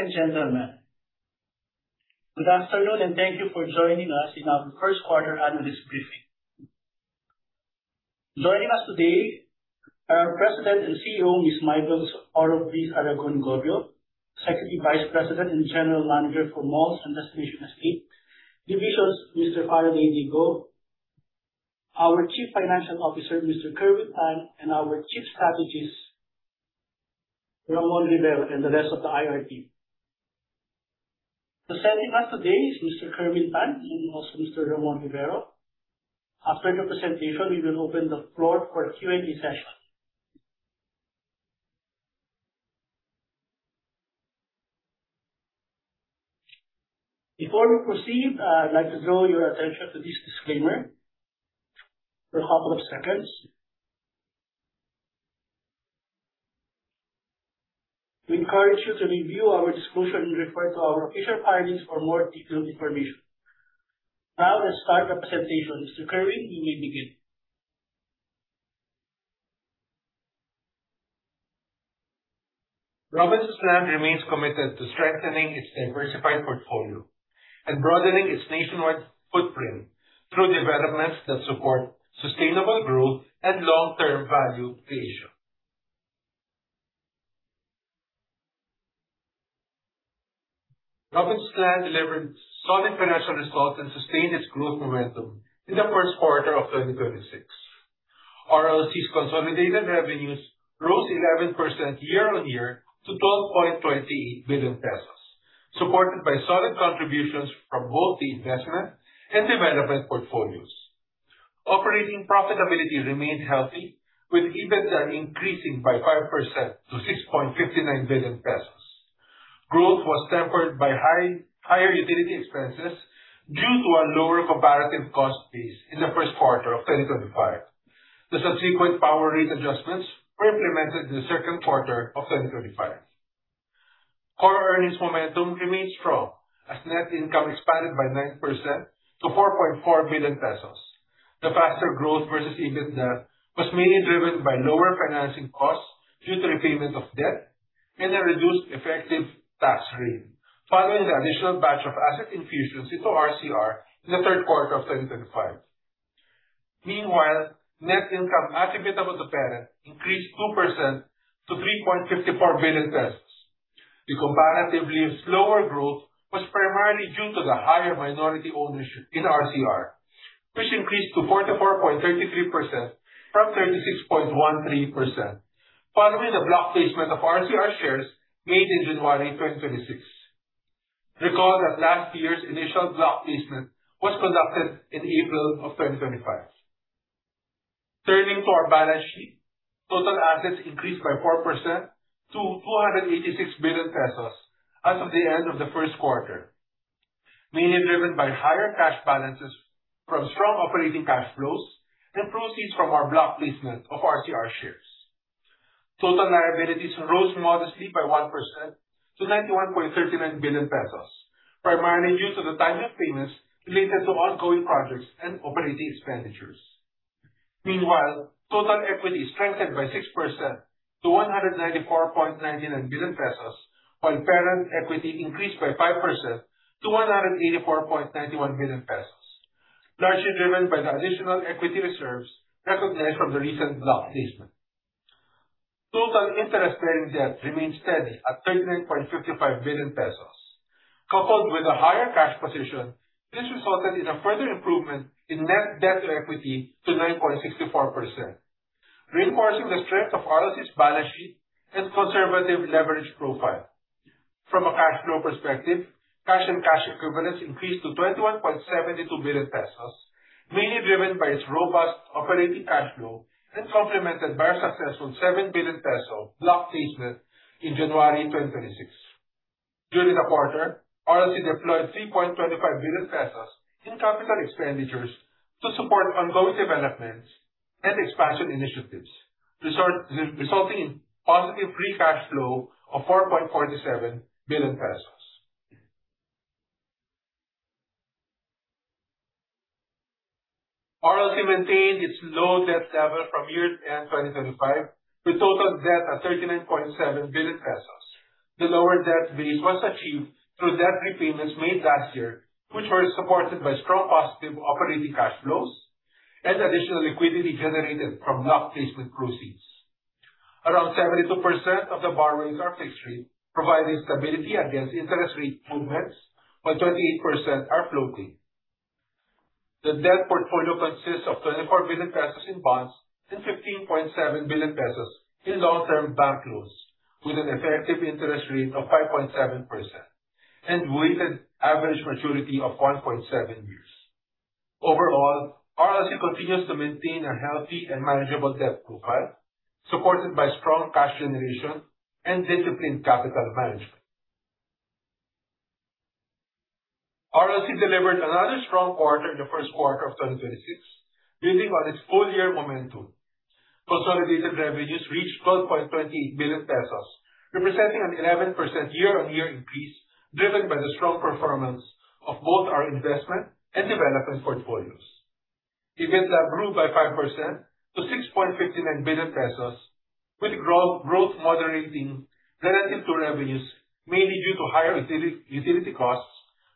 Ladies and gentlemen, good afternoon, and thank you for joining us in our first quarter analyst briefing. Joining us today are President and CEO, Ms. Mybelle Aragon-GoBio, Executive Vice President and General Manager for Malls and Destination Estate Divisions, Mr. Faraday D. Go, our Chief Financial Officer, Mr. Kerwin Tan, and our Chief Strategist, Ramon Rivero, and the rest of the IR team. Presenting us today is Mr. Kerwin Tan, and also Mr. Ramon Rivero. After the presentation, we will open the floor for a Q&A session. Before we proceed, I'd like to draw your attention to this disclaimer for a couple of seconds. We encourage you to review our discussion and refer to our official filings for more detailed information. Let's start the presentation. Mr. Kerwin, you may begin. Robinsons Land remains committed to strengthening its diversified portfolio and broadening its nationwide footprint through developments that support sustainable growth and long-term value creation. Robinsons Land delivered solid financial results and sustained its growth momentum in the first quarter of 2026. RLC's consolidated revenues rose 11% year-on-year to 12.28 billion pesos, supported by solid contributions from both the investment and development portfolios. Operating profitability remained healthy with EBITDA increasing by 5% to 6.59 billion pesos. Growth was tempered by higher utility expenses due to a lower comparative cost base in the first quarter of 2025. The subsequent power rate adjustments were implemented in the second quarter of 2025. Core earnings momentum remains strong as net income expanded by 9% to 4.4 billion pesos. The faster growth versus EBITDA was mainly driven by lower financing costs due to repayment of debt and a reduced effective tax rate following the additional batch of asset infusions into RCR in the third quarter of 2025. Meanwhile, net income attributable to parent increased 2% to 3.54 billion. The comparatively slower growth was primarily due to the higher minority ownership in RCR, which increased to 44.33% from 36.13% following the block placement of RCR shares made in January 2026. Recall that last year's initial block placement was conducted in April of 2025. Turning to our balance sheet, total assets increased by 4% to 286 billion pesos as of the end of the first quarter, mainly driven by higher cash balances from strong operating cash flows and proceeds from our block placement of RCR shares. Total liabilities rose modestly by 1% to 91.39 billion pesos, primarily due to the timing of payments related to ongoing projects and operating expenditures. Meanwhile, total equity strengthened by 6% to 194.99 billion pesos, while parent equity increased by 5% to 184.91 billion pesos, largely driven by the additional equity reserves recognized from the recent block placement. Total interest-bearing debt remains steady at 39.55 billion pesos. Coupled with a higher cash position, this resulted in a further improvement in net debt to equity to 9.64%, reinforcing the strength of RLC's balance sheet and conservative leverage profile. From a cash flow perspective, cash and cash equivalents increased to 21.72 billion pesos, mainly driven by its robust operating cash flow and complemented by our successful 7 billion peso block placement in January 2026. During the quarter, RLC deployed 3.25 billion pesos in capital expenditures to support ongoing developments and expansion initiatives, resulting in positive free cash flow of 4.47 billion pesos. RLC maintained its low debt level from year-end 2025, with total debt at 39.7 billion pesos. The lower debt base was achieved through debt repayments made last year, which were supported by strong positive operating cash flows and additional liquidity generated from block placement proceeds. Around 72% of the borrowings are fixed-rate, providing stability against interest rate movements, while 28% are floating. The debt portfolio consists of 24 billion pesos in bonds and 15.7 billion pesos in long-term bank loans, with an effective interest rate of 5.7% and weighted average maturity of 1.7 years. Overall, RLC continues to maintain a healthy and manageable debt profile, supported by strong cash generation and disciplined capital management. RLC delivered another strong quarter in the first quarter of 2026, building on its full-year momentum. Consolidated revenues reached 12.28 billion pesos, representing an 11% year-on-year increase, driven by the strong performance of both our investment and development portfolios. EBITDA grew by 5% to 6.59 billion pesos, with growth moderating relative to revenues, mainly due to higher utility costs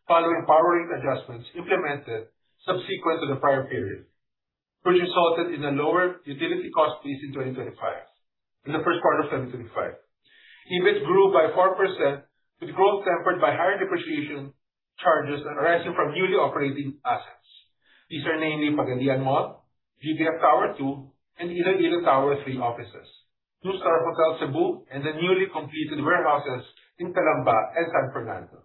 following power rate adjustments implemented subsequent to the prior period, which resulted in a lower utility cost base in the first quarter of 2025. EBIT grew by 4%, with growth tempered by higher depreciation charges arising from newly operating assets. These are namely Robinsons Pagadian, GBF Center 2, and Cybergate Iloilo Tower 3 offices, NUSTAR Hotel Cebu, and the newly completed warehouses in Calamba and San Fernando.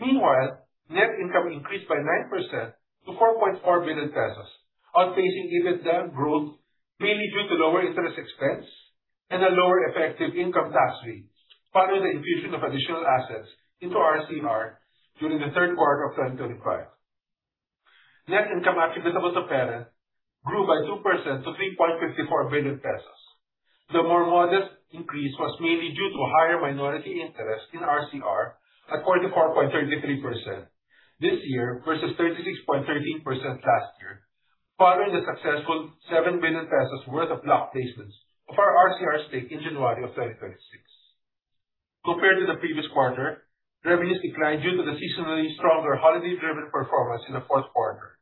Meanwhile, net income increased by 9% to 4.4 billion pesos, outpacing EBITDA growth, mainly due to lower interest expense and a lower effective income tax rate following the infusion of additional assets into RCR during the third quarter of 2025. Net income attributable to parent grew by 2% to 3.54 billion pesos. The more modest increase was mainly due to higher minority interest in RCR at 44.33% this year versus 36.13% last year, following the successful 7 billion pesos worth of block placements of our RCR stake in January of 2026. Compared to the previous quarter, revenues declined due to the seasonally stronger holiday-driven performance in the fourth quarter.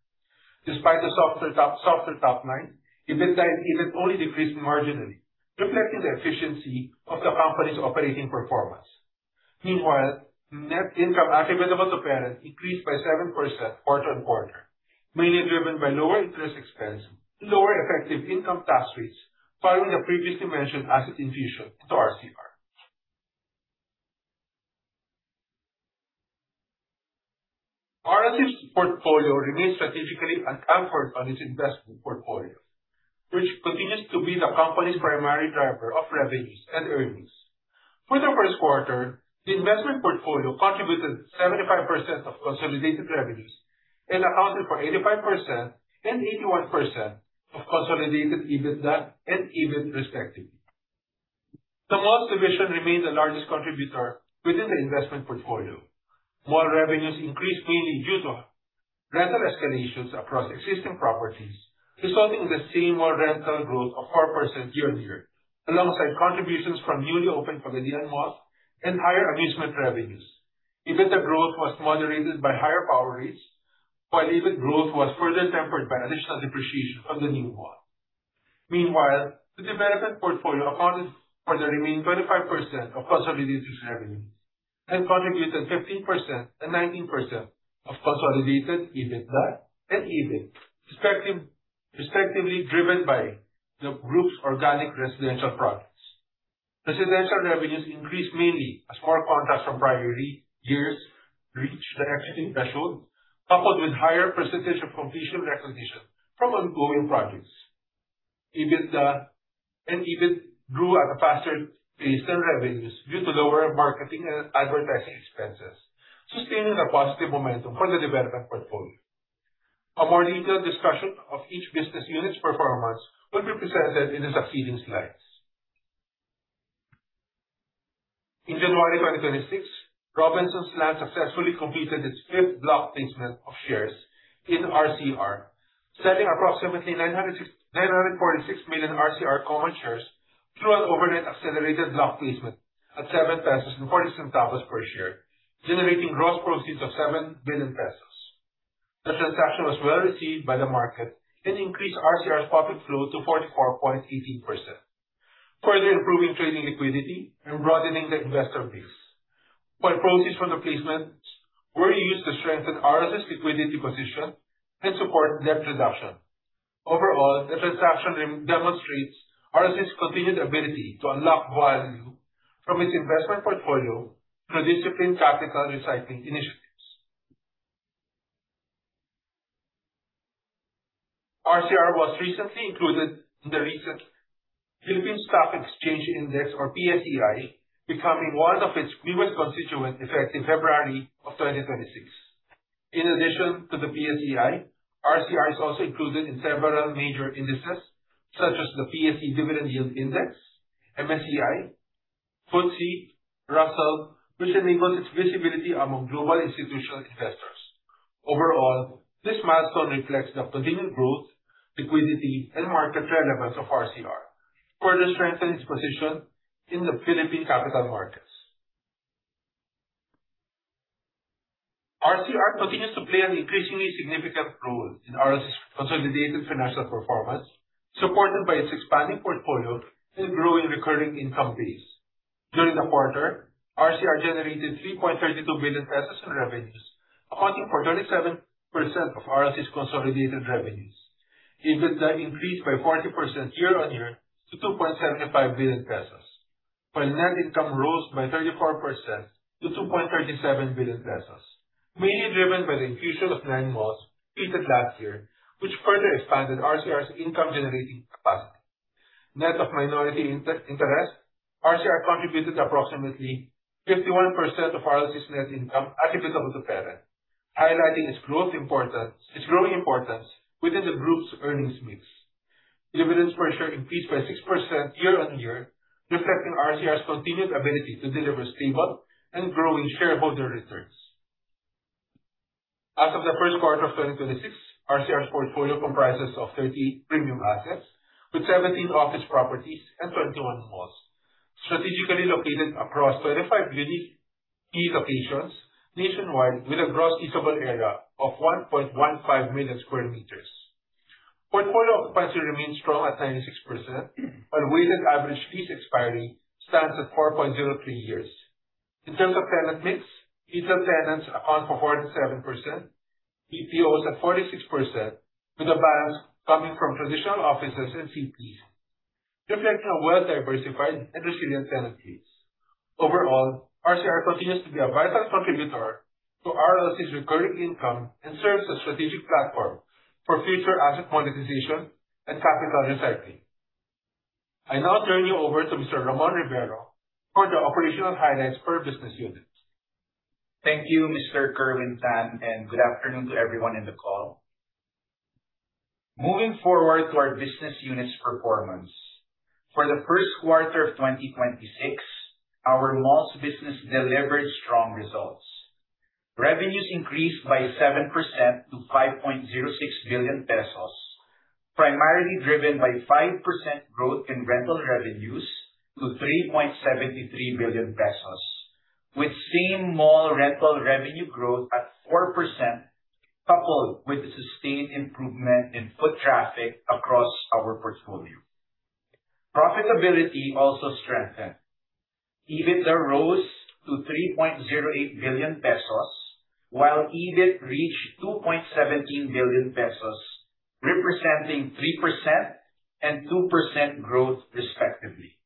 Despite the softer top line, EBITDA and EBIT only decreased marginally, reflecting the efficiency of the company's operating performance. Meanwhile, net income attributable to parent increased by 7% quarter-on-quarter, mainly driven by lower interest expense and lower effective income tax rates following the previously mentioned asset infusion into RCR. RLC's portfolio remains strategically anchored on its investment portfolio, which continues to be the company's primary driver of revenues and earnings. For the first quarter, the investment portfolio contributed 75% of consolidated revenues and accounted for 85% and 81% of consolidated EBITDA and EBIT, respectively. The malls division remained the largest contributor within the investment portfolio. Mall revenues increased mainly due to rental escalations across existing properties, resulting in the same mall rental growth of 4% year-on-year, alongside contributions from newly opened Robinsons Pagadian and higher amusement revenues. EBITDA growth was moderated by higher power rates, while EBIT growth was further tempered by additional depreciation from the new mall. Meanwhile, the development portfolio accounted for the remaining 25% of consolidated revenues and contributed 15% and 19% of consolidated EBITDA and EBIT, respectively, driven by the group's organic residential projects. Residential revenues increased mainly a small contrast from prior years showed, coupled with higher percentage of completion recognition from ongoing projects. EBITDA and EBIT grew at a faster pace than revenues due to lower marketing and advertising expenses, sustaining a positive momentum for the development portfolio. A more detailed discussion of each business unit's performance will be presented in the succeeding slides. In January 2026, Robinsons Land successfully completed its fifth block placement of shares in RCR, selling approximately 946 million RCR common shares through an overnight accelerated block placement at 7.40 pesos per share, generating gross proceeds of 7 billion pesos. The transaction was well-received by the market and increased RCR's public float to 44.18%, further improving trading liquidity and broadening the investor base, while proceeds from the placements were used to strengthen RLC's liquidity position and support debt reduction. Overall, the transaction demonstrates RLC's continued ability to unlock value from its investment portfolio through disciplined capital recycling initiatives. RCR was recently included in the recent Philippine Stock Exchange Index, or PSEi, becoming one of its newest constituent effective in February of 2026. In addition to the PSEi, RCR is also included in several major indices, such as the PSE Dividend Yield Index, MSCI, FTSE, Russell, which enables its visibility among global institutional investors. Overall, this milestone reflects the continuing growth, liquidity, and market relevance of RCR, further strengthening its position in the Philippine capital markets. RCR continues to play an increasingly significant role in RLC's consolidated financial performance, supported by its expanding portfolio and growing recurring income base. During the quarter, RCR generated 3.32 billion pesos in revenues, accounting for 37% of RLC's consolidated revenues. EBITDA increased by 40% year-on-year to 2.75 billion pesos, while net income rose by 34% to 2.37 billion pesos, mainly driven by the infusion of nine malls completed last year, which further expanded RCR's income-generating capacity. Net of minority interest, RCR contributed approximately 51% of RLC's net income attributable to parent, highlighting its growing importance within the group's earnings mix. Dividends per share increased by 6% year-on-year, reflecting RCR's continued ability to deliver stable and growing shareholder returns. As of the first quarter of 2026, RCR's portfolio comprises of 30 premium assets with 17 office properties and 21 malls strategically located across 35 really key locations nationwide with a gross leasable area of 1.15 million sq m. Portfolio occupancy remains strong at 96%, while weighted average lease expiry stands at 4.03 years. In terms of tenant mix, retail tenants account for 47%, BPOs at 46% with the balance coming from traditional offices and CPs, reflecting a well-diversified and resilient tenant base. Overall, RCR continues to be a vital contributor to RLC's recurring income and serves as strategic platform for future asset monetization and capital recycling. I now turn you over to Mr. Ramon Rivero for the operational highlights per business unit. Thank you, Mr. Kerwin Tan. Good afternoon to everyone in the call. Moving forward to our business unit's performance. For the first quarter of 2026, our malls business delivered strong results. Revenues increased by 7% to 5.06 billion pesos, primarily driven by 5% growth in rental revenues to 3.73 billion pesos, with same mall rental revenue growth at 4%, coupled with the sustained improvement in foot traffic across our portfolio. Profitability also strengthened. EBITDA rose to 3.08 billion pesos, while EBIT reached 2.17 billion pesos, representing 3% and 2% growth respectively.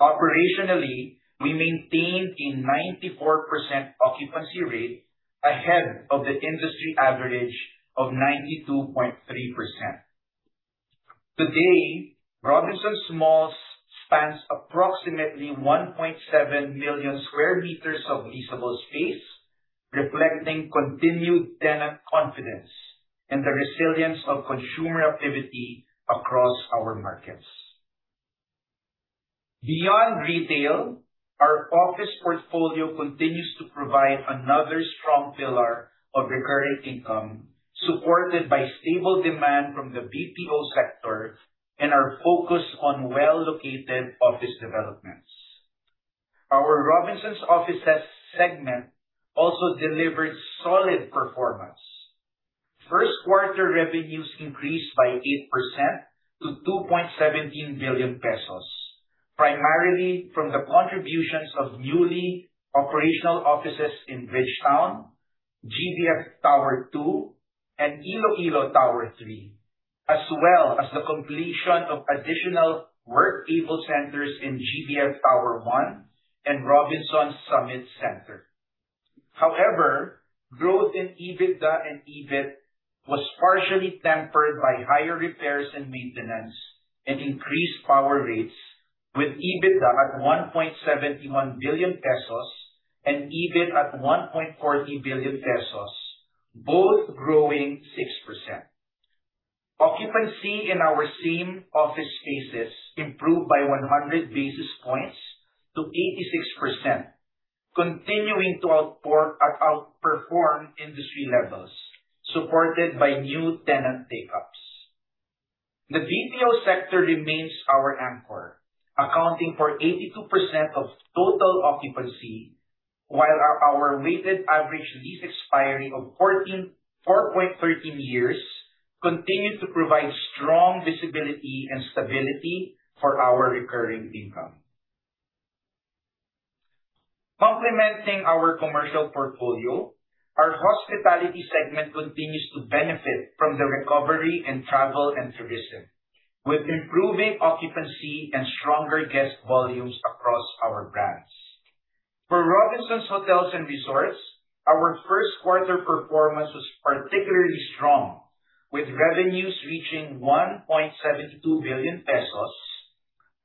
Operationally, we maintained a 94% occupancy rate ahead of the industry average of 92.3%. To date, Robinsons Malls spans approximately 1.7 million sq m of leasable space, reflecting continued tenant confidence and the resilience of consumer activity across our markets. Beyond retail, our office portfolio continues to provide another strong pillar of recurring income, supported by stable demand from the BPO sector and our focus on well-located office developments. Our Robinsons Offices segment also delivered solid performance. First quarter revenues increased by 8% to 2.17 billion pesos, primarily from the contributions of newly operational offices in Bridgetowne, GBF Center 2, and Cybergate Iloilo Tower 3, as well as the completion of additional work.able centers in GBF Center 1 and Robinsons Summit Center. Growth in EBITDA and EBIT was partially tempered by higher repairs and maintenance and increased power rates, with EBITDA at 1.71 billion pesos and EBIT at 1.40 billion pesos, both growing 6%. Occupancy in our same office spaces improved by 100 basis points to 86%, continuing to outperform industry levels supported by new tenant take-ups. The BPO sector remains our anchor, accounting for 82% of total occupancy, while our weighted average lease expiry of 4.13 years continued to provide strong visibility and stability for our recurring income. Complementing our commercial portfolio, our hospitality segment continues to benefit from the recovery in travel and tourism, with improving occupancy and stronger guest volumes across our brands. For Robinsons Hotels and Resorts, our first quarter performance was particularly strong, with revenues reaching 1.72 billion pesos,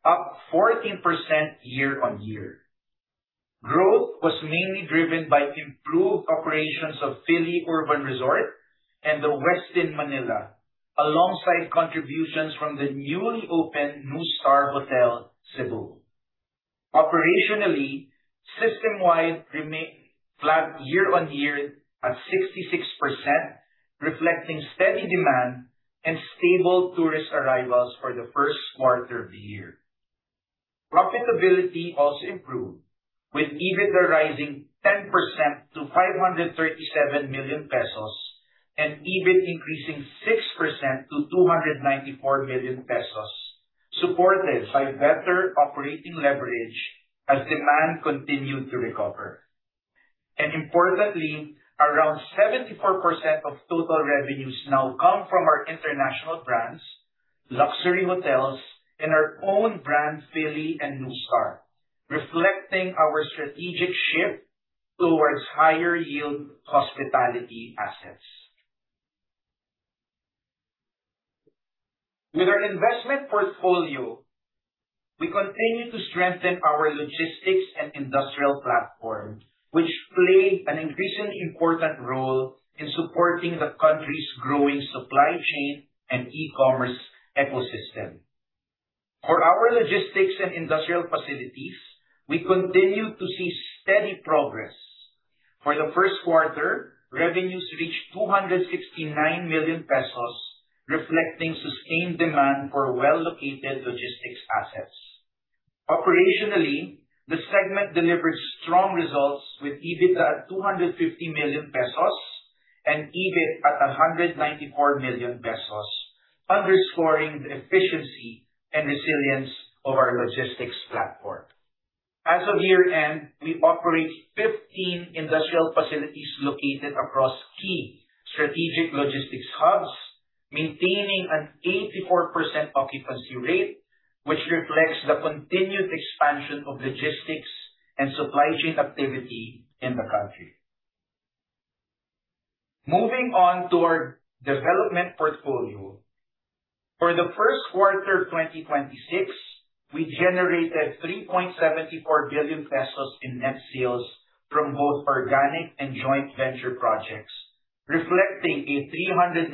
up 14% year-on-year. Growth was mainly driven by improved operations of Fili Urban Resort and The Westin Manila, alongside contributions from the newly opened NUSTAR Hotel Cebu. Operationally, system-wide remains flat year-on-year at 66%, reflecting steady demand and stable tourist arrivals for the first quarter of the year. Profitability also improved, with EBITDA rising 10% to 537 million pesos and EBIT increasing 6% to 294 million pesos, supported by better operating leverage as demand continued to recover. Importantly, around 74% of total revenues now come from our international brands, luxury hotels and our own brands, Fili and NUSTAR, reflecting our strategic shift towards higher yield hospitality assets. With our investment portfolio, we continue to strengthen our logistics and industrial platform, which play an increasingly important role in supporting the country's growing supply chain and e-commerce ecosystem. For our logistics and industrial facilities, we continue to see steady progress. For the first quarter, revenues reached 269 million pesos, reflecting sustained demand for well-located logistics assets. Operationally, the segment delivered strong results with EBITDA at 250 million pesos and EBIT at 194 million pesos, underscoring the efficiency and resilience of our logistics platform. As of year-end, we operate 15 industrial facilities located across key strategic logistics hubs, maintaining an 84% occupancy rate, which reflects the continued expansion of logistics and supply chain activity in the country. Moving on to our development portfolio. For the first quarter of 2026, we generated 3.74 billion pesos in net sales from both organic and joint venture projects, reflecting a 390%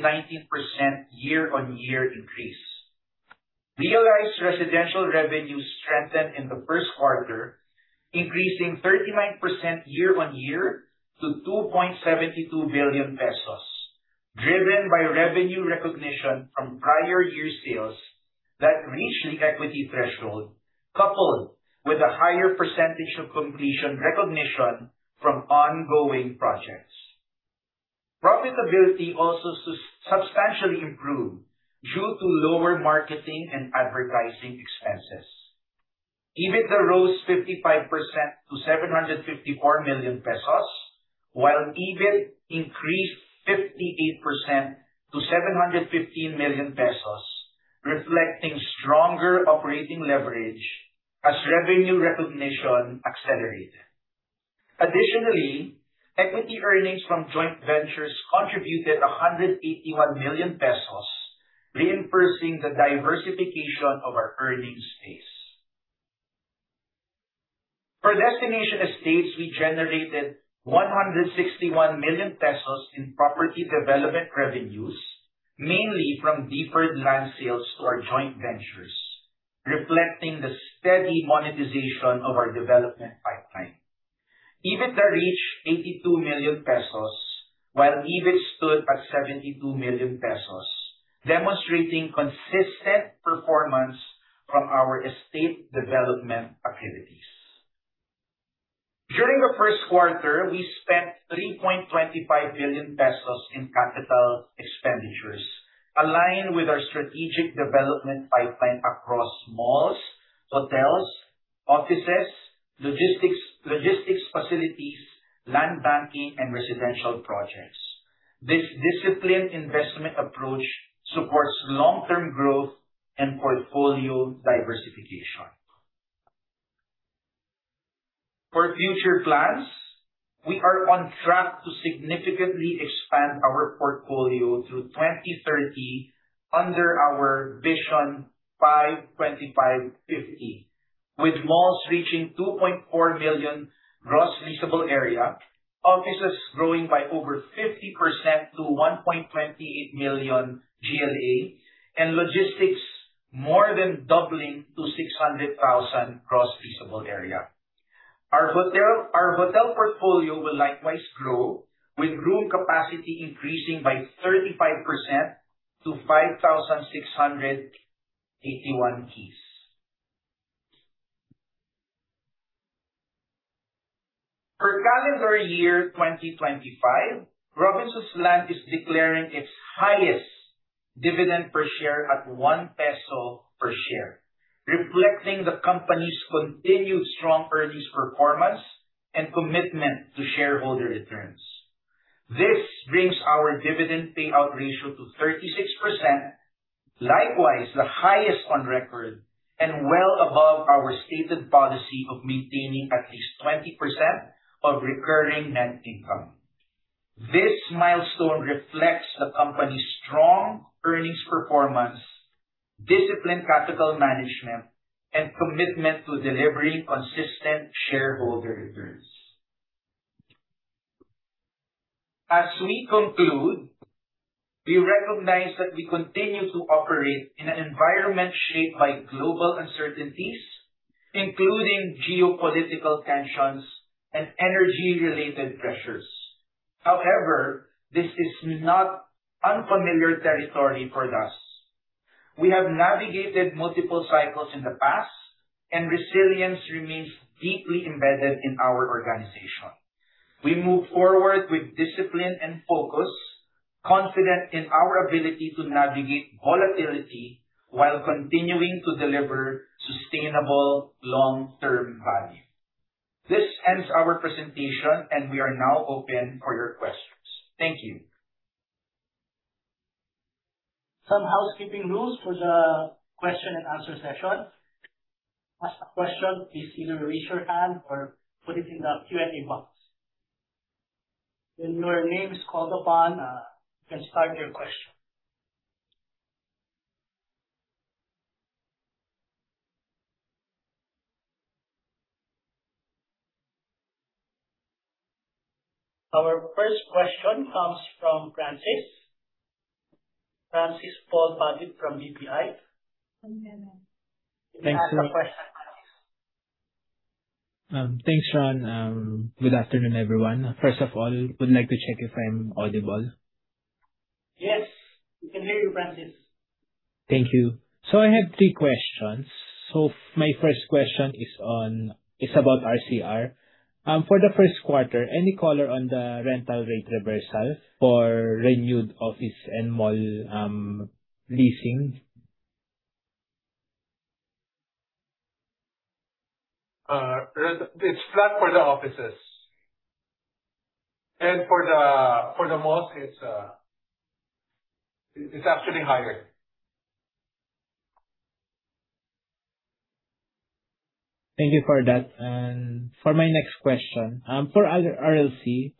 year-on-year increase. Realized residential revenues strengthened in the first quarter, increasing 39% year-on-year to 2.72 billion pesos, driven by revenue recognition from prior year sales that reached the equity threshold, coupled with a higher percentage of completion recognition from ongoing projects. Profitability also substantially improved due to lower marketing and advertising expenses. EBITDA rose 55% to 754 million pesos, while EBIT increased 58% to 715 million pesos, reflecting stronger operating leverage as revenue recognition accelerated. Additionally, equity earnings from joint ventures contributed 181 million pesos, reinforcing the diversification of our earnings base. For Destination Estates, we generated 161 million pesos in property development revenues, mainly from deferred land sales to our joint ventures, reflecting the steady monetization of our development pipeline. EBITDA reached 82 million pesos, while EBIT stood at 72 million pesos, demonstrating consistent performance from our estate development activities. During the first quarter, we spent 3.25 billion pesos in capital expenditures aligned with our strategic development pipeline across malls, hotels, offices, logistics facilities, land banking, and residential projects. This disciplined investment approach supports long-term growth and portfolio diversification. For future plans, we are on track to significantly expand our portfolio through 2030 under our Vision 5-25-50, with malls reaching 2.4 million gross leasable area, offices growing by over 50% to 1.28 million GLA, and logistics more than doubling to 600,000 gross leasable area. Our hotel portfolio will likewise grow, with room capacity increasing by 35% to 5,681 keys. For calendar year 2025, Robinsons Land is declaring its highest dividend per share at 1 peso per share, reflecting the company's continued strong earnings performance and commitment to shareholder returns. This brings our dividend payout ratio to 36%, likewise the highest on record and well above our stated policy of maintaining at least 20% of recurring net income. This milestone reflects the company's strong earnings performance, disciplined capital management, and commitment to delivering consistent shareholder returns. As we conclude, we recognize that we continue to operate in an environment shaped by global uncertainties, including geopolitical tensions and energy-related pressures. However, this is not unfamiliar territory for us. We have navigated multiple cycles in the past and resilience remains deeply embedded in our organization. We move forward with discipline and focus, confident in our ability to navigate volatility while continuing to deliver sustainable long-term value. This ends our presentation, and we are now open for your questions. Thank you. Some housekeeping rules for the question-and-answer session. To ask a question, please either raise your hand or put it in the Q&A box. When your name is called upon, you can start your question. Our first question comes from Francis. Francis Paul Padit from BPI. You can ask your question, Francis. Thanks, John. Good afternoon, everyone. First of all, I would like to check if I'm audible. Yes, we can hear you, Francis. Thank you. I have three questions. My first question is about RCR. For the first quarter, any color on the rental rate reversal for renewed office and mall leasing? It's flat for the offices. For the malls, it's actually higher. Thank you for that. For my next question, for RLC,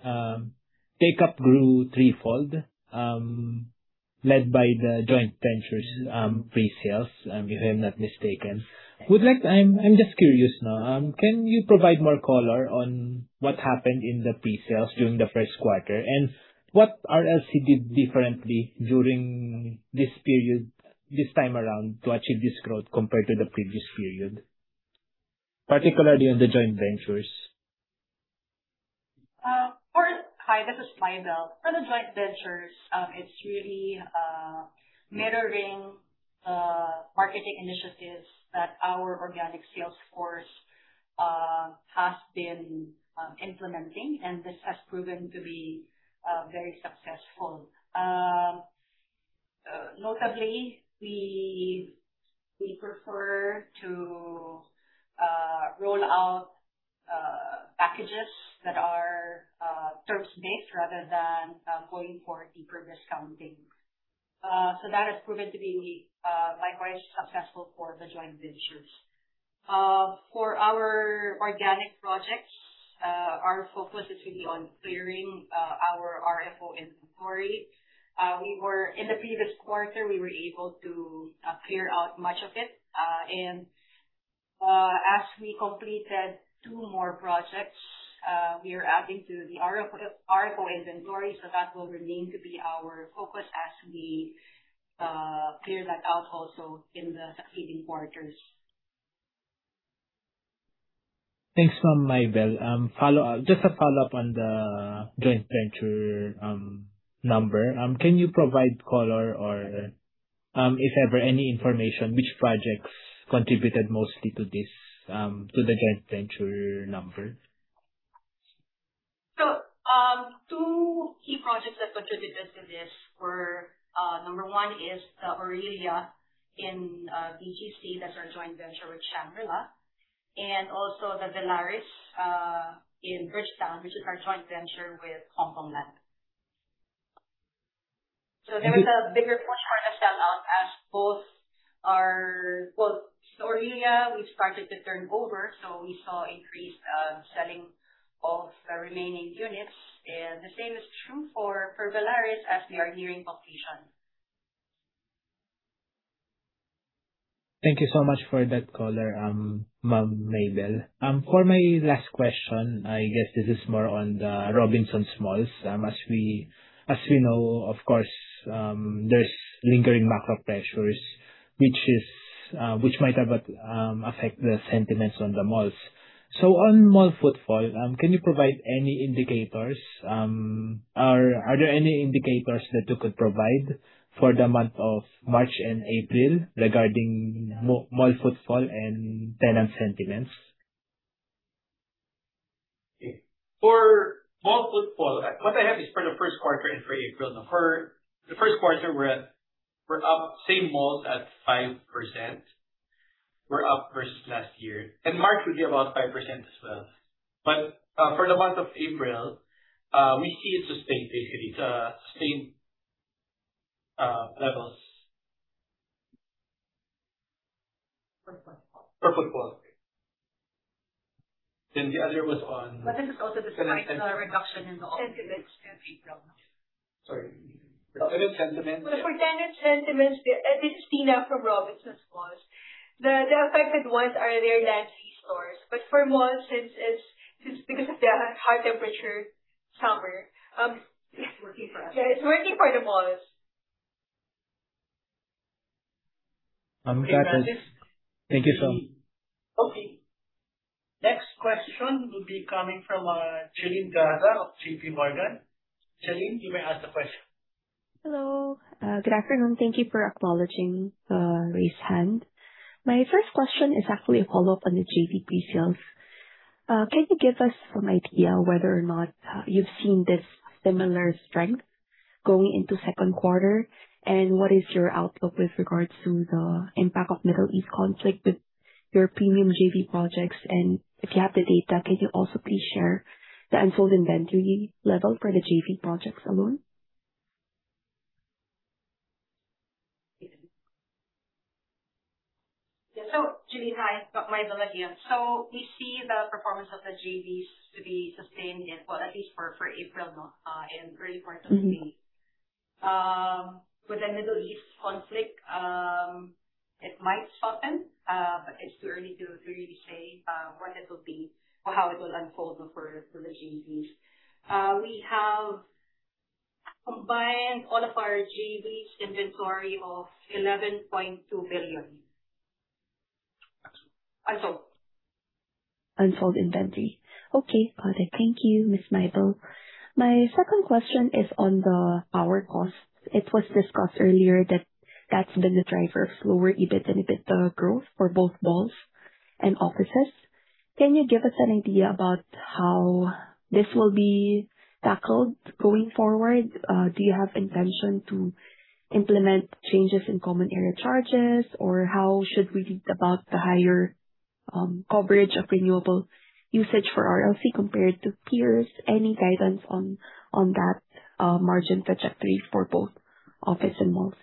take-up grew threefold, led by the joint ventures, pre-sales, if I'm not mistaken. I'm just curious now, can you provide more color on what happened in the pre-sales during the first quarter and what RLC did differently during this period, this time around to achieve this growth compared to the previous period, particularly on the joint ventures? Hi, this is Mybelle. For the joint ventures, it's really mirroring marketing initiatives that our organic sales force has been implementing, and this has proven to be very successful. Notably, we prefer to roll out packages that are terms-based rather than going for deeper discounting. That has proven to be likewise successful for the joint ventures. For our organic projects, our focus is really on clearing our RFO inventory. In the previous quarter, we were able to clear out much of it. As we completed two more projects, we are adding to the RFO inventory, so that will remain to be our focus as we clear that out also in the succeeding quarters. Thanks, ma'am Mybelle. Follow-up. Just a follow-up on the joint venture number. Can you provide color or, if ever any information, which projects contributed mostly to this, to the joint venture number? Two key projects that contributed to this were, number one is Aurelia in BGC. That's our joint venture with Shang Properties. Also the Velaris in Bridgetowne, which is our joint venture with Hongkong Land. There was a bigger push for us to sell out. Well, Aurelia, we started to turn over, so we saw increased selling of the remaining units. The same is true for Velaris as we are nearing occupation. Thank you so much for that color, Mybelle. For my last question, I guess this is more on the Robinsons Malls. As we know, of course, there's lingering macro pressures which is which might have a affect the sentiments on the malls. On mall footfall, can you provide any indicators? Are there any indicators that you could provide for the month of March and April regarding mall footfall and tenant sentiments? For mall footfall, what I have is for the first quarter and for April. For the first quarter, we're up same malls at 5%. We're up versus last year. March would be about 5% as well. For the month of April, we see it sustained basically. It's sustained levels. For footfall. For footfall. This is also despite, reduction in the occupants. Tenant sentiments. Sorry. Tenant sentiments. for tenant sentiments, this is Tina from Robinsons Malls. The affected ones are their legacy stores. for malls, it's just because of the high temperature summer. It's working for us. Yeah, it's working for the malls. Got it. Thank you, sir. Okay. Next question will be coming from Jelline Gaza of JPMorgan. Jelline, you may ask the question. Hello. Good afternoon. Thank you for acknowledging raised hand. My first question is actually a follow-up on the JV pre-sales. Can you give us some idea whether or not you've seen this similar strength going into second quarter? What is your outlook with regards to the impact of Middle East conflict with your premium JV projects? If you have the data, can you also please share the unsold inventory level for the JV projects alone? Jelline, hi. It's Mybelle again. We see the performance of the JVs to be sustained, at least for April. Very fortunately. With the Middle East conflict, it might shorten. It's too early to really say what it will be or how it will unfold for the JVs. We have combined all of our JVs inventory of 11.2 billion unsold. Unsold inventory. Okay, got it. Thank you, Ms. Mybelle. My second question is on the power costs. It was discussed earlier that that's been the driver of slower EBIT and EBITDA growth for both malls and offices. Can you give us an idea about how this will be tackled going forward? Do you have intention to implement changes in common area charges? How should we read about the higher coverage of renewable usage for RLC compared to peers? Any guidance on that margin trajectory for both office and malls?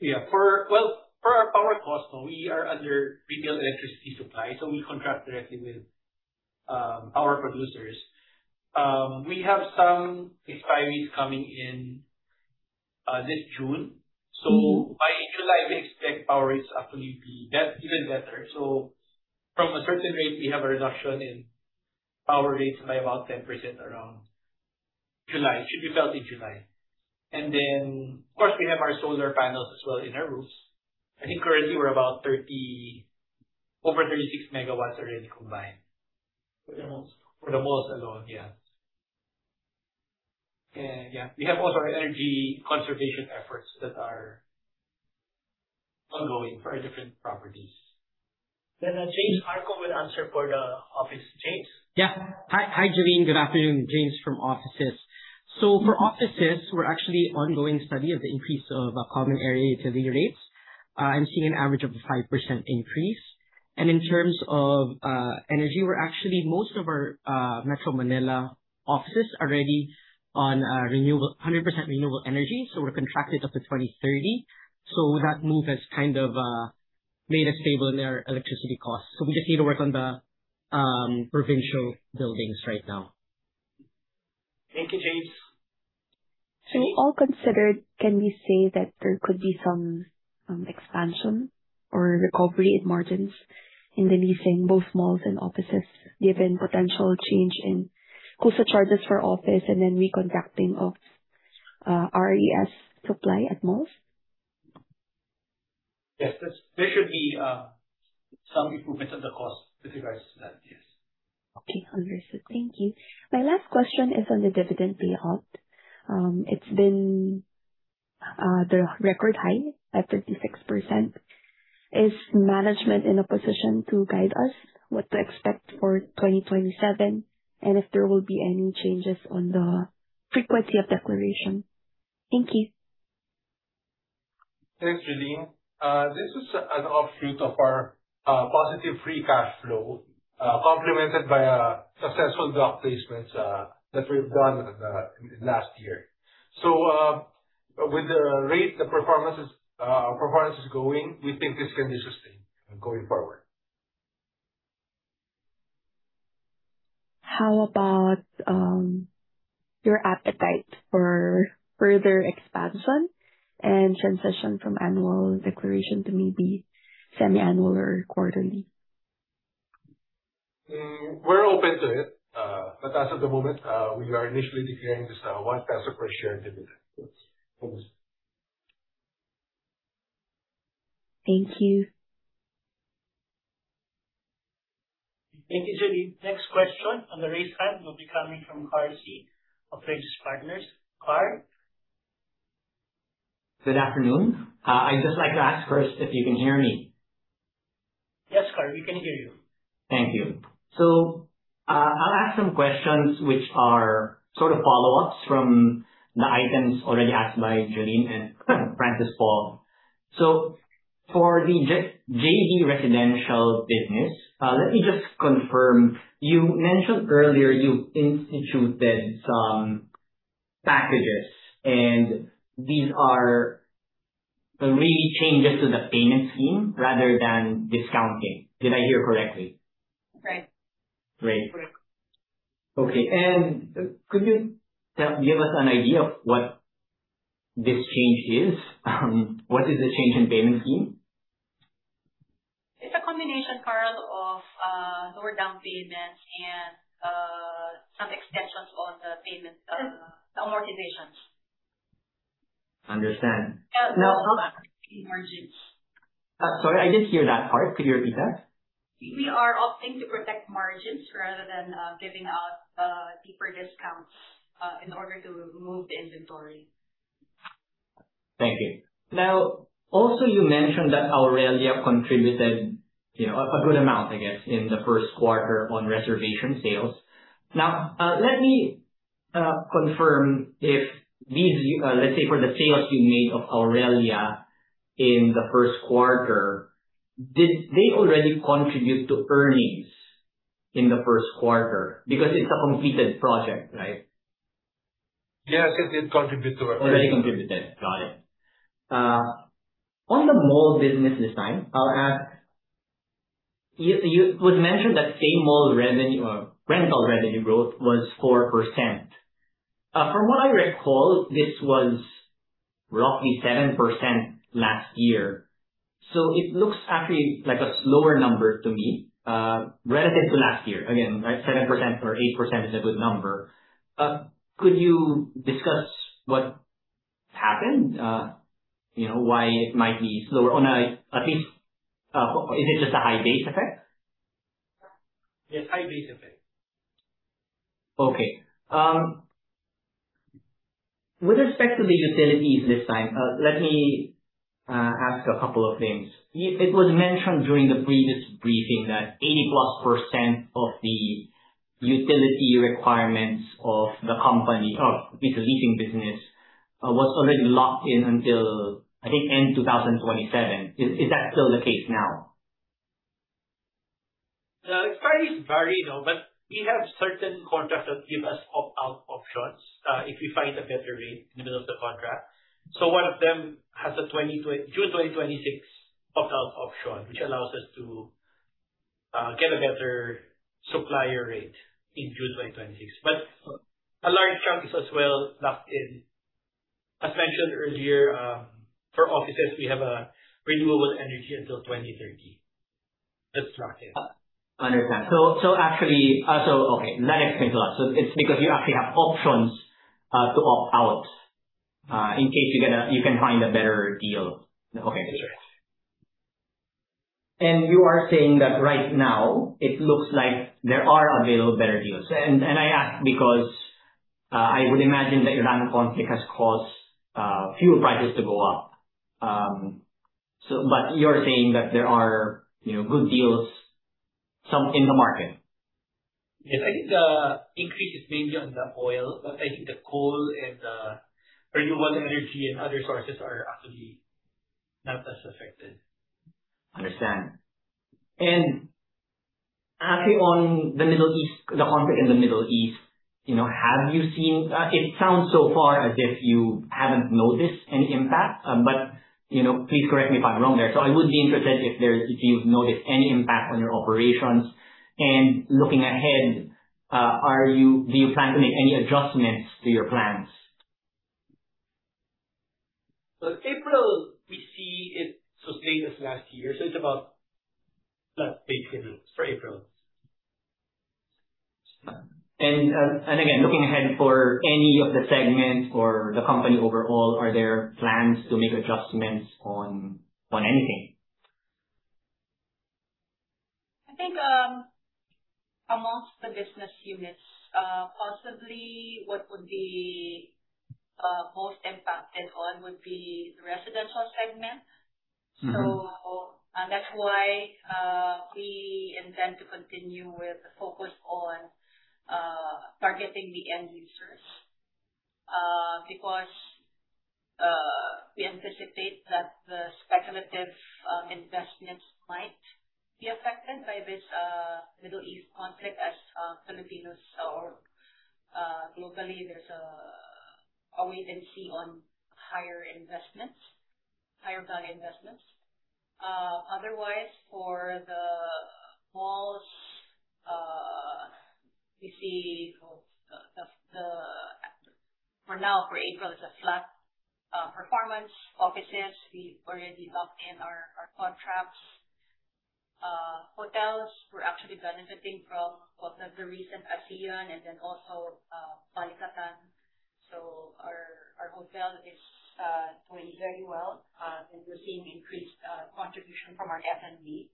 Yeah. Well, for our power cost, no, we are under retail electricity supply, we contract directly with power producers. We have some expiries coming in this June. By July, we expect power rates to actually be even better. From a certain rate, we have a reduction in power rates by about 10% around July. It should be felt in July. Of course, we have our solar panels as well in our roofs. I think currently we're about over 36 MW already combined. For the malls. For the malls alone. We have also our energy conservation efforts that are ongoing for our different properties. James Arco will answer for the office. James? Hi. Jelline. Good afternoon. James from offices. For offices, we're actually ongoing study of the increase of our common area CA rates. I'm seeing an average of a 5% increase. In terms of energy, we're actually most of our Metro Manila offices are already on 100% renewable energy. We're contracted up to 2030. That move has kind of made us stable in our electricity costs. We just need to work on the provincial buildings right now. Thank you, James. All considered, can we say that there could be some expansion or recovery in margins in the leasing both malls and offices, given potential change in CUSA charges for office and then recontracting of RES supply at malls? Yes, there should be some improvements on the cost with regards to that, yes. Okay, understood. Thank you. My last question is on the dividend payout. It's been record high at 36%. Is management in a position to guide us what to expect for 2027 and if there will be any changes on the frequency of declaration? Thank you. Thanks, Jelline. This is an offshoot of our positive free cash flow, complemented by successful bond placements that we've done last year. With the rate the performance is going, we think this can be sustained going forward. How about your appetite for further expansion and transition from annual declaration to maybe semi-annual or quarterly? We're open to it. As of the moment, we are initially declaring just a 1 per share dividend. Thanks. Thank you. Thank you, Jelline. Next question on the raised hand will be coming from Carl Sy of Regis Partners. Carl? Good afternoon. I'd just like to ask first if you can hear me? Yes, Carl, we can hear you. Thank you. I'll ask some questions which are sort of follow-ups from the items already asked by Jelline and Francis Paul. For the JV residential business, let me just confirm. You mentioned earlier you instituted some packages, and these are really changes to the payment scheme rather than discounting. Did I hear correctly? Right. Great. Correct. Okay. Could you give us an idea of what this change is? What is the change in payment scheme? It's a combination, Carl, of lower down payments and some extensions on the payment amortizations. Understand. Also protect margins. Sorry, I didn't hear that part. Could you repeat that? We are opting to protect margins rather than giving out deeper discounts in order to move the inventory. Thank you. Also, you mentioned that Aurelia contributed, you know, a good amount, I guess, in the first quarter on reservation sales. Let me confirm if these, let's say for the sales you made of Aurelia in the first quarter, did they already contribute to earnings in the first quarter? Because it's a completed project, right? Yes, it did contribute. Already contributed. Got it. On the mall business this time, I'll ask. It was mentioned that same mall revenue or rental revenue growth was 4%. From what I recall, this was roughly 7% last year. It looks actually like a slower number to me relative to last year. Again, right, 7% or 8% is a good number. Could you discuss what happened? You know, why it might be slower at least, is it just a high base effect? Yes, high base effect. Okay. With respect to the utilities this time, let me ask a couple of things. It was mentioned during the previous briefing that 80+% of the utility requirements of the company or the leasing business was already locked in until, I think, end 2027. Is that still the case now? It's very varied now, we have certain contracts that give us opt-out options, if we find a better rate in the middle of the contract. One of them has a June 2026 opt-out option, which allows us to get a better supplier rate in June 2026. A large chunk is as well locked in. As mentioned earlier, for offices, we have a renewable energy until 2030 that's locked in. Understood. Actually, okay, that explains a lot. It's because you actually have options to opt out in case you can find a better deal. Okay. Makes sense. You are saying that right now it looks like there are available better deals. I ask because I would imagine the Iran conflict has caused fuel prices to go up. You're saying that there are, you know, good deals, some in the market? Yes, I think the increase is mainly on the oil, but I think the coal and the renewable energy and other sources are actually not as affected. Understand. Asking on the Middle East, the conflict in the Middle East, you know, it sounds so far as if you haven't noticed any impact. You know, please correct me if I'm wrong there. I would be interested if you've noticed any impact on your operations. Looking ahead, do you plan to make any adjustments to your plans? April, we see it sustained as last year, so it's about that basically for April. Again, looking ahead for any of the segments or the company overall, are there plans to make adjustments on anything? I think, amongst the business units, possibly what would be most impacted on would be residential segment. That's why, we intend to continue with the focus on targeting the end users, because we anticipate that the speculative investments might be affected by this Middle East conflict as Filipinos or globally there's a wait and see on higher investments, higher value investments. Otherwise, for the malls, we see for now, for April, it's a flat performance. Offices, we've already locked in our contracts. Hotels, we're actually benefiting from both the recent ASEAN and then also Balikatan. Our hotel is doing very well, and we're seeing increased contribution from our F&B.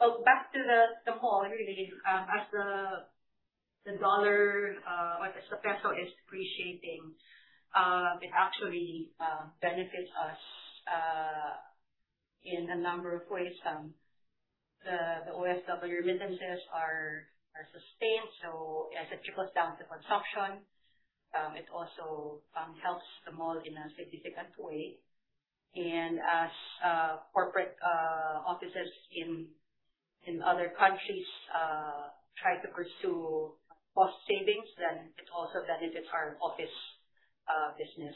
Back to the mall really, as the dollar or the peso is appreciating, it actually benefits us in a number of ways. The OFW remittances are sustained, so as it trickles down to consumption, it also helps the mall in a significant way. As corporate offices in other countries try to pursue cost savings, it also benefits our office business.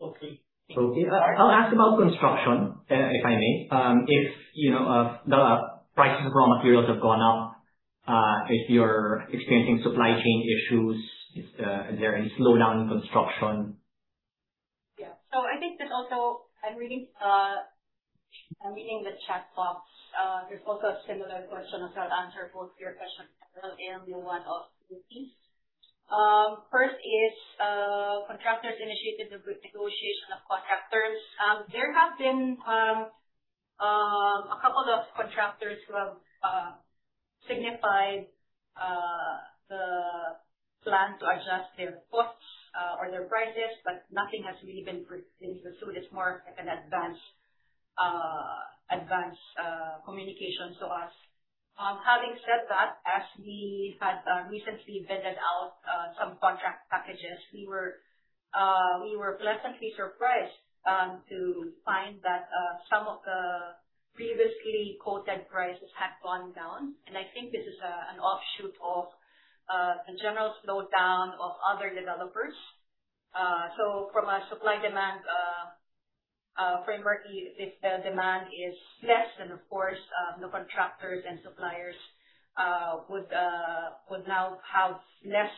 Okay. Okay. I'll ask about construction, if I may. If you know if the prices of raw materials have gone up, if you're experiencing supply chain issues, is there any slowdown in construction? I think that also I'm reading, I'm reading the chat box. There's also a similar question. I'll answer both your question as well, and the one of Lucy's. First is, contractors initiated the negotiation of contractors. There have been a couple of contractors who have signified the plan to adjust their costs or their prices, but nothing has really been pursued. It's more like an advanced communication to us. Having said that, as we had recently vended out some contract packages, we were pleasantly surprised to find that some of the previously quoted prices had gone down. I think this is an offshoot of the general slowdown of other developers. From a supply demand framework if the demand is less then of course, the contractors and suppliers would now have less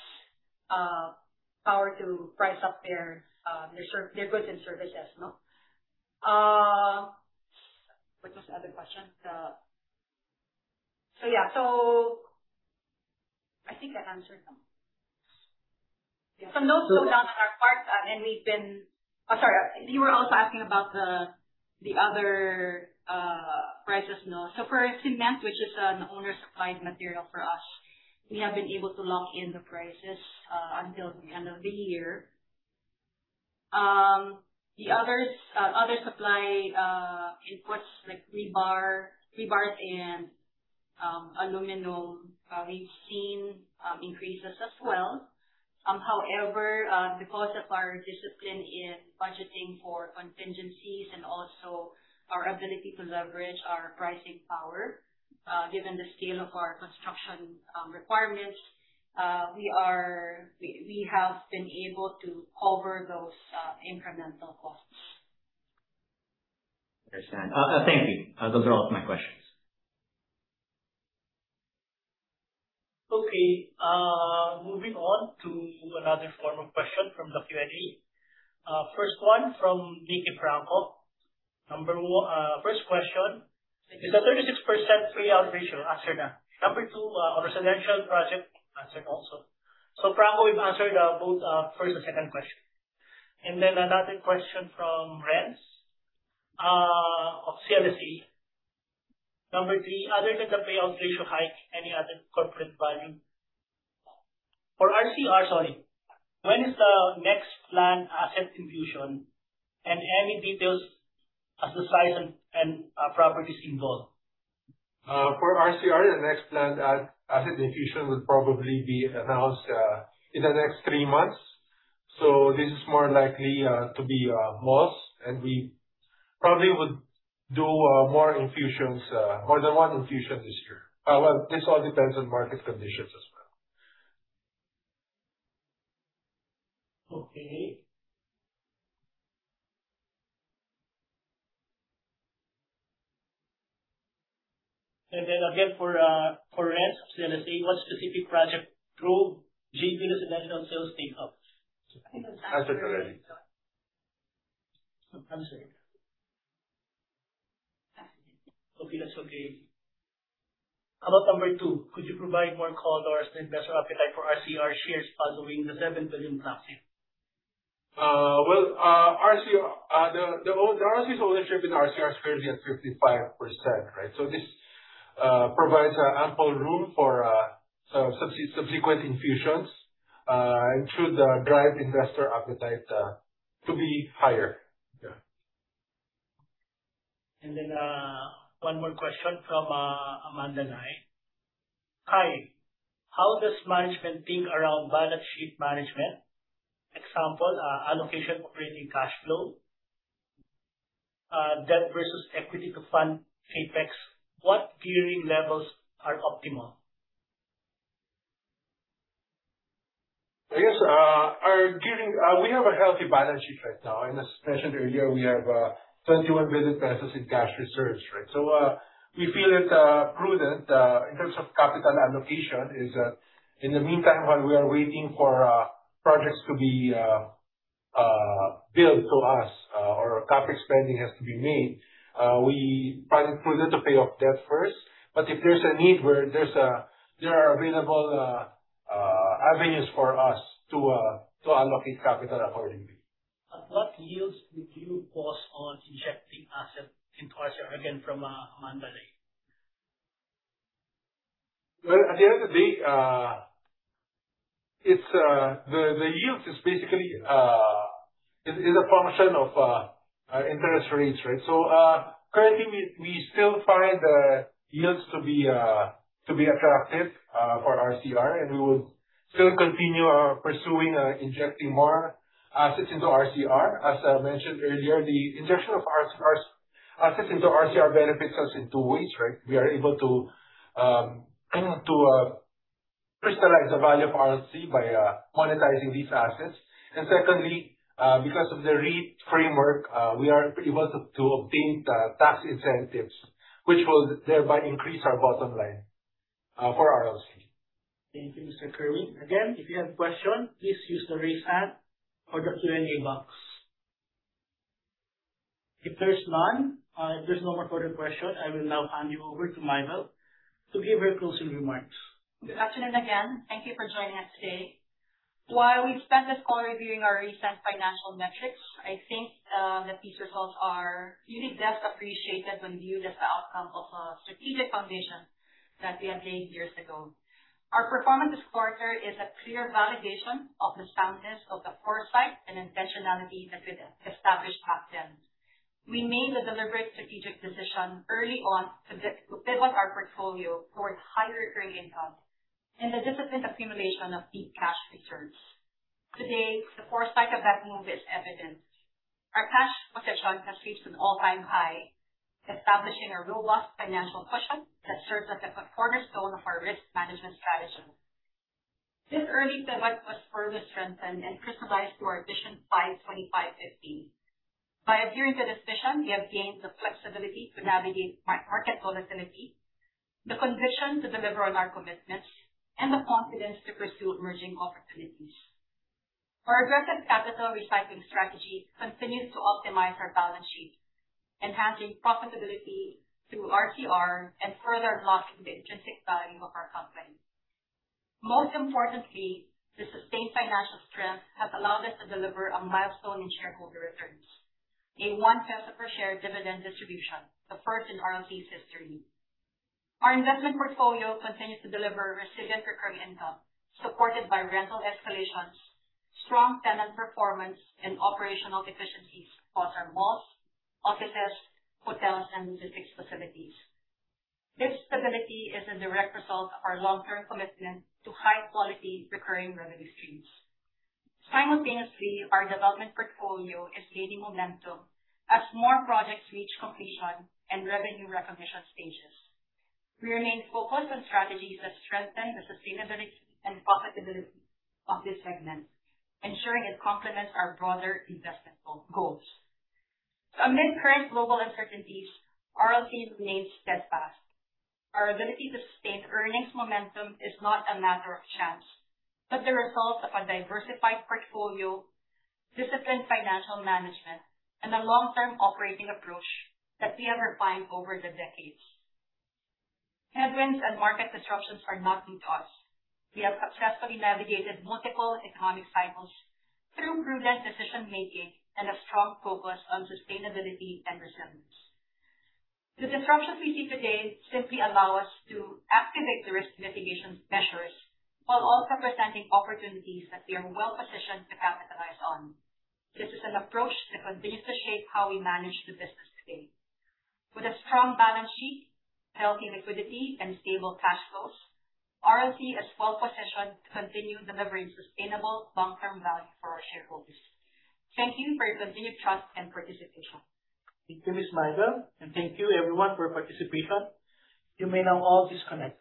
power to price up their goods and services. What was the other question? Yeah. I think I've answered them. Yeah. Those slowdowns on our part, and we've been Oh, sorry. You were also asking about the other prices. For cement which is an owner supplied material for us, we have been able to lock in the prices until the end of the year. The others, other supply inputs like rebars and aluminum, we've seen increases as well. However, because of our discipline in budgeting for contingencies and also our ability to leverage our pricing power, given the scale of our construction, requirements, we have been able to cover those incremental costs. I understand. Thank you. Those are all my questions. Okay, moving on to another form of question from the Q&A. First one from Nikki Franco. First question: Is the 36% payout ratio answered now? Number two, residential project answered also. Franco, we've answered both first and second question. Another question from Renz of CLSA. Number three, other than the payout ratio hike, any other corporate value? For RCR, sorry. When is the next planned asset infusion? Any details as to size and properties involved? For RCR, the next planned asset infusion would probably be announced in the next three months. This is more likely to be malls. We probably would do more infusions, more than one infusion this year. Well, this all depends on market conditions as well. Okay. Then again for Renz of CLSA, what specific project drove JV residential sales take-up? Answered already. Answered. Answered, yeah. Okay. That's okay. How about number two? Could you provide more color or investor appetite for RCR shares following the 7 billion offering? Well, RCR, the RLC's ownership in RCR is currently at 55%, right? This provides subsequent infusions, and should drive investor appetite to be higher. One more question from [Amanda Nai]. Hi. How does management think around balance sheet management? Example, allocation operating cash flow, debt versus equity to fund CapEx. What gearing levels are optimal? We have a healthy balance sheet right now. As mentioned earlier, we have 21 billion pesos in cash reserves, right? We feel it prudent in terms of capital allocation is in the meantime, while we are waiting for projects to be built to us, or CapEx spending has to be made, we find it prudent to pay off debt first. If there's a need where there are available avenues for us to allocate capital accordingly. At what yields would you pause on injecting assets in RCR? Again, from [Amanda Nai]. Well, at the end of the day, it's the yields is basically a function of our interest rates, right? Currently we still find the yields to be attractive for RCR, and we would still continue pursuing injecting more assets into RCR. As I mentioned earlier, the injection of RCR assets into RCR benefits us in two ways, right? We are able to crystallize the value of RLC by monetizing these assets. Secondly, because of the REIT framework, we are able to obtain tax incentives, which will thereby increase our bottom line for RLC. Thank you, Mr. Kerwin. Again, if you have a question, please use the Raise Hand or the Q&A box. If there is none, if there's no more further question, I will now hand you over to Mybelle to give her closing remarks. Good afternoon again. Thank you for joining us today. While we've spent this call reviewing our recent financial metrics, I think that these results are really best appreciated when viewed as the outcome of a strategic foundation that we have laid years ago. Our performance this quarter is a clear validation of the soundness of the foresight and intentionality that we established back then. We made the deliberate strategic decision early on to pivot our portfolio towards higher recurring income and the disciplined accumulation of deep cash reserves. Today, the foresight of that move is evident. Our cash position has reached an all-time high, establishing a robust financial cushion that serves as a cornerstone of our risk management strategy. This early pivot was further strengthened and crystallized through our Vision 5-25-50. By adhering to this vision, we have gained the flexibility to navigate market volatility, the conviction to deliver on our commitments, and the confidence to pursue emerging opportunities. Our aggressive capital recycling strategy continues to optimize our balance sheet, enhancing profitability through RCR and further unlocking the intrinsic value of our company. Most importantly, the sustained financial strength has allowed us to deliver a milestone in shareholder returns, a 1 per share dividend distribution, the first in RLC's history. Our investment portfolio continues to deliver resilient recurring income supported by rental escalations, strong tenant performance, and operational efficiencies across our malls, offices, hotels, and logistics facilities. This stability is a direct result of our long-term commitment to high-quality recurring revenue streams. Simultaneously, our development portfolio is gaining momentum as more projects reach completion and revenue recognition stages. We remain focused on strategies that strengthen the sustainability and profitability of this segment, ensuring it complements our broader investment goals. Amid current global uncertainties, RLC remains steadfast. Our ability to sustain earnings momentum is not a matter of chance, but the result of a diversified portfolio, disciplined financial management, and a long-term operating approach that we have refined over the decades. Headwinds and market disruptions are not new to us. We have successfully navigated multiple economic cycles through prudent decision-making and a strong focus on sustainability and resilience. The disruptions we see today simply allow us to activate the risk mitigation measures while also presenting opportunities that we are well-positioned to capitalize on. This is an approach that continues to shape how we manage the business today. With a strong balance sheet, healthy liquidity, and stable cash flows, RLC is well-positioned to continue delivering sustainable long-term value for our shareholders. Thank you for your continued trust and participation. Thank you, Miss Mybelle, and thank you everyone for your participation. You may now all disconnect.